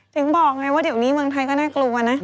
ถึงบอกไงว่าเดี๋ยวนี้เมืองไทยก็น่ากลัวนะ